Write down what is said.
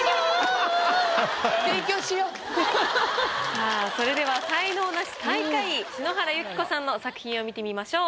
さあそれでは才能ナシ最下位篠原ゆき子さんの作品を見てみましょう。